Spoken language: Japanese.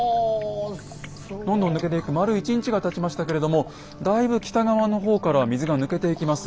丸１日がたちましたけれどもだいぶ北側の方からは水が抜けていきます。